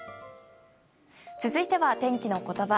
続いては天気のことば。